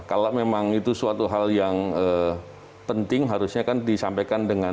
kalau memang itu suatu hal yang penting harusnya kan disampaikan dengan